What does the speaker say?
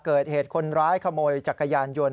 เกิดเหตุคนร้ายขโมยจักรยานยนต์